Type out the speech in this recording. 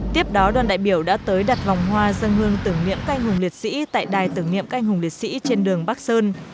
tiếp đó đoàn đại biểu đã tới đặt vòng hoa dân hương tưởng niệm canh hùng liệt sĩ tại đài tưởng niệm canh hùng liệt sĩ trên đường bắc sơn